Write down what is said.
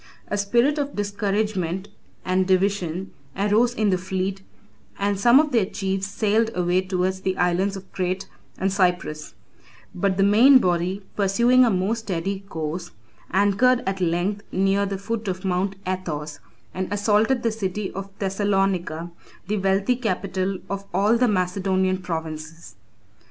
A spirit of discouragement and division arose in the fleet, and some of their chiefs sailed away towards the islands of Crete and Cyprus; but the main body, pursuing a more steady course, anchored at length near the foot of Mount Athos, and assaulted the city of Thessalonica, the wealthy capital of all the Macedonian provinces.